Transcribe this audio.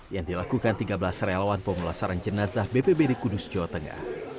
yang dilakukan tiga belas relawan pemulasaran jenazah bpbd kudus jawa tengah